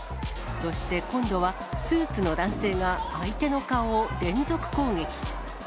そして今度は、スーツの男性が相手の顔を連続攻撃。